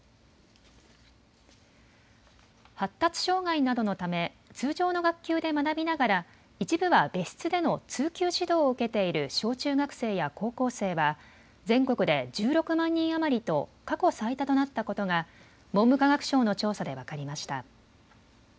発達障害などのため通常の学級で学びながら一部は別室での通級指導を受けている小中学生や高校生は全国で１６万人余りと過去最多となったことが文部科学省の調査で分かりました。